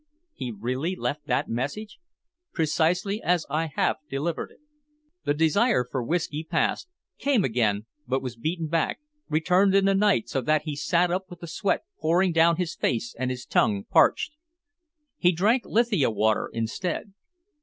"He really left that message?" "Precisely as I have delivered it." The desire for whisky passed, came again but was beaten back, returned in the night so that he sat up with the sweat pouring down his face and his tongue parched. He drank lithia water instead.